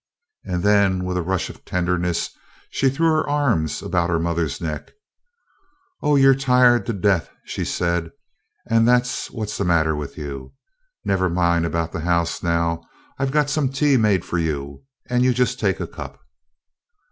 and then with a rush of tenderness she threw her arms about her mother's neck. "Oh, you 're tired to death," she said; "that 's what 's the matter with you. Never mind about the house now. I 've got some tea made for you, and you just take a cup."